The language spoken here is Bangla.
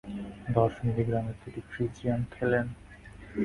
দশ মিলিগ্রামের দুটি ফ্রিজিয়াম খেলেন।